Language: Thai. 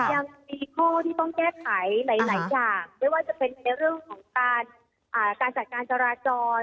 ยังมีข้อที่ต้องแก้ไขหลายอย่างไม่ว่าจะเป็นในเรื่องของการจัดการจราจร